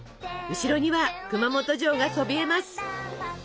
後ろには熊本城がそびえます！